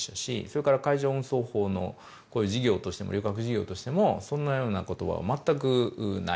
それから海上運送法のこういう事業としても旅客事業としてもそんなような言葉は全くない。